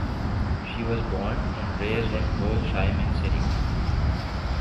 She was born and raised in Ho Chi Minh City.